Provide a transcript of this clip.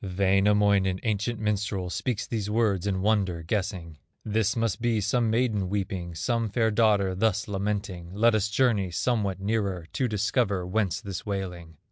Wainamoinen, ancient minstrel, Speaks these words in wonder, guessing: "This must be some maiden weeping, Some fair daughter thus lamenting; Let us journey somewhat nearer, To discover whence this wailing."